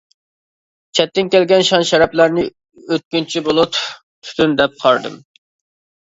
چەتتىن كەلگەن شان-شەرەپلەرنى ئۆتكۈنچى بۇلۇت، تۈتۈن دەپ قارىدىم.